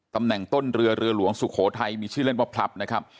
ตำแหน่งต้นเรือเรือหลวงสุโขทัยมีชื่อเล่นว่าพลับนะครับ